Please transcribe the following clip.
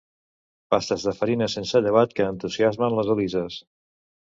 Pastes de farina sense llevat que entusiasmen les Elises.